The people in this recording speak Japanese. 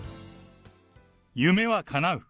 夢はかなう！